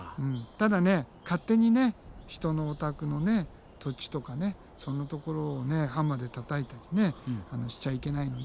ただね勝手に人のお宅の土地とかそんなところをハンマーでたたいたりねしちゃいけないので。